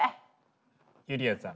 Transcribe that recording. ゆりやんさん。